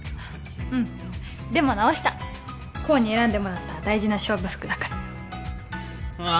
うんでも直した功に選んでもらった大事な勝負服だからあ